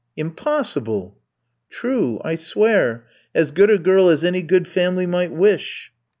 "Impossible!" "True, I swear; as good a girl as any good family might wish."